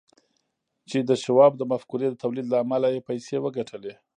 چې د شواب د مفکورې د توليد له امله يې پيسې وګټلې.